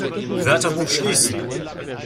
Wörterbuch schließen!